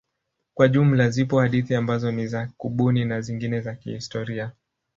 Kwa jumla zipo hadithi ambazo ni za kubuni na zingine za kihistoria.